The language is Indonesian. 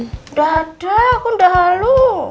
udah ada aku udah halu